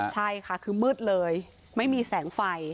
ใช่ค่ะคือมืดเลยไม่มีแสงไฟ